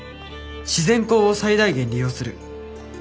「自然光を最大限利用する」